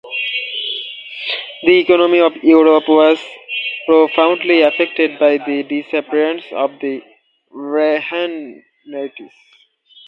The economy of Europe was profoundly affected by the disappearance of the Radhanites.